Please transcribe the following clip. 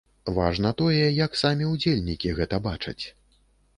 Важна тое, як самі ўдзельнікі гэта бачаць.